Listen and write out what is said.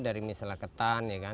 dari misalnya ketan